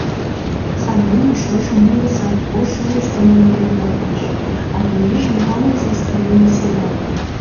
Сандене шошым уло сад ош шовыч дене леведалтеш, а кеҥежым тамле саска дене сийла.